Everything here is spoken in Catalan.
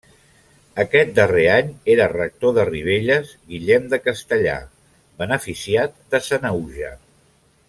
Aquest darrer any era rector de Ribelles Guillem de Castellar, beneficiat de Sanaüja.